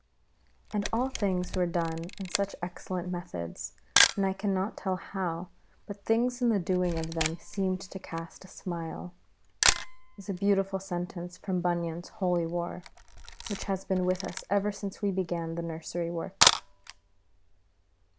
] "AND all things were done in such excellent methods, and I cannot tell how, but things in the doing of them seemed to cast a smile" is a beautiful sentence from Bunyan's Holy War, which has been with us ever since we began the Nursery work.